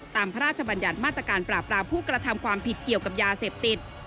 พระราชบัญญัติมาตรการปราบรามผู้กระทำความผิดเกี่ยวกับยาเสพติด